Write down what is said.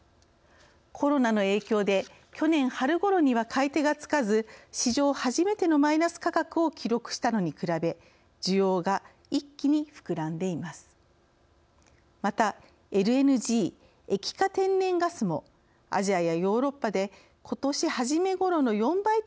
コロナの影響で去年春ごろには買い手がつかず史上初めてのマイナス価格を記録したのに比べ需要が一気に膨らんでいます。